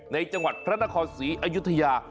จังหวัดพระนครศรีอยุธยา